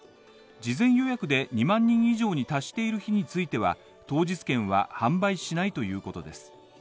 事前予約で２万人以上に達している日については、当日券は販売しないということです。